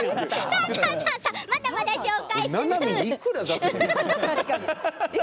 まだまだ紹介する。